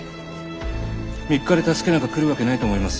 ３日で助けなんか来るわけないと思いますよ。